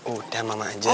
udah mama aja